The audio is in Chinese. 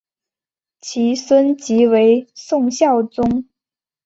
其孙即为宋孝宗。